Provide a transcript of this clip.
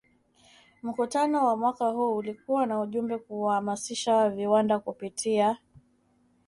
Mkutano wa mwaka huu ulikuwa na ujumbe kuhamasisha viwanda kupitia